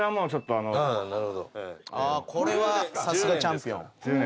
「ああこれはさすがチャンピオン」